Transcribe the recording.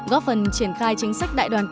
góp phần triển khai chính sách đại đoàn kết